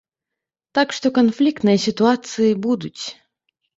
Так што канфліктныя сітуацыі будуць.